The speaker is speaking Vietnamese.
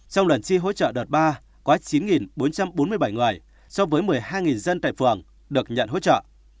trong lần chi hỗ trợ đợt ba có chín bốn trăm bốn mươi bảy người so với một mươi hai dân tại phường được nhận hỗ trợ